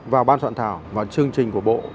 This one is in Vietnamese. vào ban soạn thảo vào chương trình của bộ